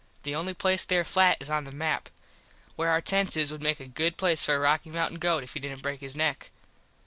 The only place there flat is on the map. Where our tents is would make a good place for a Rocky Mountin goat if he didnt break his neck.